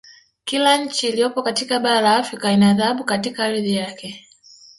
Kila nchi ilyopo katika bara la Afrika ina dhahabu katika ardhi yake